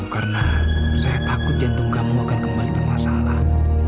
karena saya takut jantung kamu akan kembali bermasalah